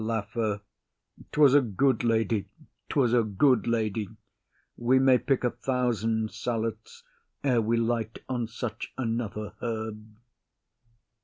LAFEW. 'Twas a good lady, 'twas a good lady. We may pick a thousand salads ere we light on such another herb.